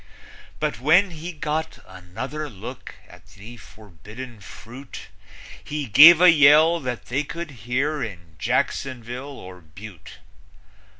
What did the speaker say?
But when he got another look at the forbidden fruit He gave a yell that they could hear in Jacksonville or Butte.